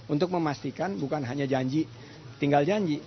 untuk memastikan bukan hanya janji tinggal janji